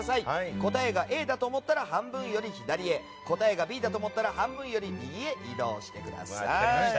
答えがＡだと思ったら半分より左へ答えがＢだと思ったら半分より右へ移動してください。